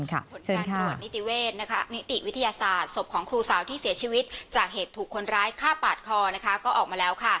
ผลการตรวจนิติเวศนิติวิทยาศาสตร์ศพของครูสาวที่เสียชีวิตจากเหตุถูกคนร้ายฆ่าปาดคอก็ออกมาแล้ว